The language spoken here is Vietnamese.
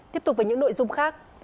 tiếp tục với những nội dung khác